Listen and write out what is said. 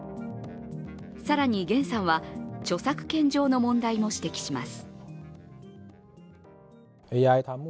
更に、阮さんは著作権上の問題も指摘します。